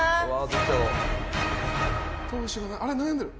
あれ悩んでる。